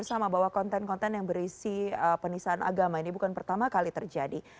apa yang masuk dalam hal ini